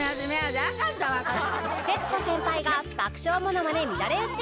徹子先輩が爆笑ものまね乱れ打ち！